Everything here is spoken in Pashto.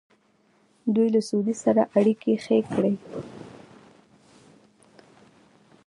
دوی له سعودي سره اړیکې ښې کړې.